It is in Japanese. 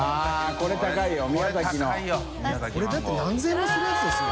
これだって何千円もするやつですよ。